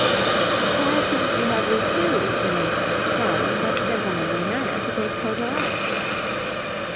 "Why couldn't you have refused in a firm but gentlemanly manner to take Toto out?"